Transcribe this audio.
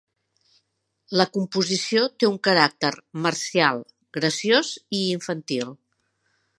La composició té un caràcter marcial, graciós i infantil.